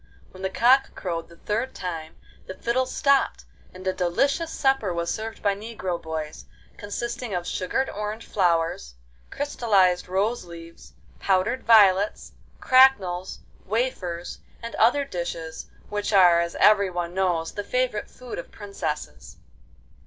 When the cock crowed the third time the fiddles stopped, and a delicious supper was served by negro boys, consisting of sugared orange flowers, crystallised rose leaves, powdered violets, cracknels, wafers, and other dishes, which are, as everyone knows, the favourite food of princesses.